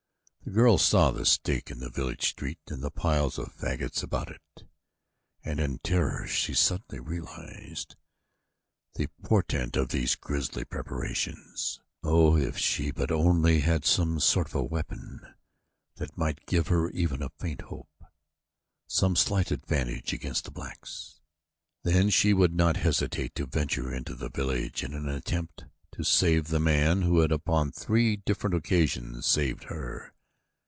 The girl saw the stake in the village street and the piles of fagots about it and in terror she suddenly realized the portent of these grisly preparations. Oh, if she but only had some sort of a weapon that might give her even a faint hope, some slight advantage against the blacks. Then she would not hesitate to venture into the village in an attempt to save the man who had upon three different occasions saved her.